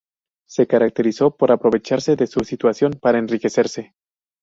Se caracterizó por aprovecharse de su situación para enriquecerse.